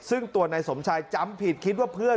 ซึ่งตัวนายสมชายจำผิดคิดว่าเพื่อน